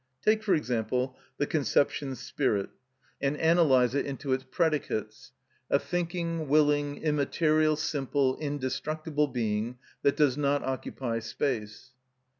Take, for example, the conception "spirit," and analyse it into its predicates: "A thinking, willing, immaterial, simple, indestructible being that does not occupy space."